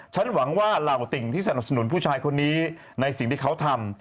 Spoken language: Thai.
ฉันหวังว่าเหล่าติ่งที่สนับสนุนผู้ชายคนนี้ในสิ่งที่เขาทำ